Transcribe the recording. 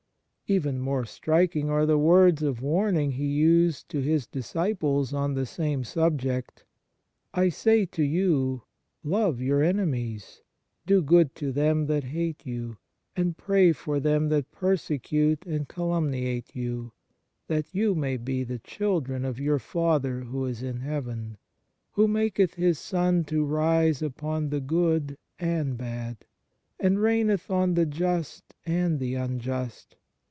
Even more striking are the words of warning He used to His disciples on the same subject: " I say to you, Love your enemies: do good to them that hate you, and pray for them that persecute and calumniate you; that you may be the children of your Father who is in heaven, who maketh His sun to rise upon the good and bad, and raineth on the just and the unjust.